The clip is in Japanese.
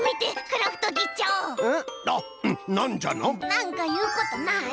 なんかいうことない？